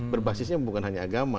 berbasisnya bukan hanya agama